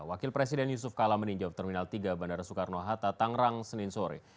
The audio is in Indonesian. wakil presiden yusuf kala meninjau terminal tiga bandara soekarno hatta tangerang senin sore